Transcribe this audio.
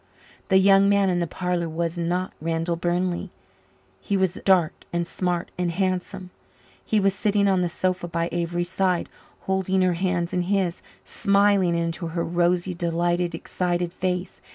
The young man in the parlour was not Randall Burnley. He was dark and smart and handsome; he was sitting on the sofa by Avery's side, holding her hands in his, smiling into her rosy, delighted, excited face.